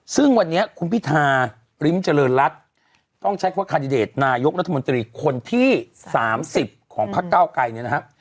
ซึ่งวันนี้คุณพิธาริมเจริญรัฐต้องใช้คำว่าคาดิเดตนายกรัฐมนตรีคนที่๓๐ของพักเก้าไกรเนี่ยนะครับ